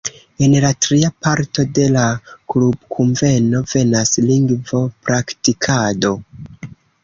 En la tria parto de la klubkunveno venas lingvo-praktikado.